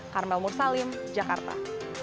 karma mursalim jakarta